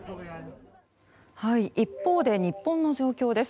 一方で、日本の状況です。